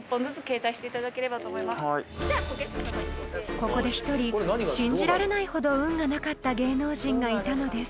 ［ここで１人信じられないほど運がなかった芸能人がいたのです］